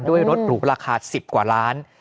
ด้วยรถหรูราคา๑๐กว่าล้าน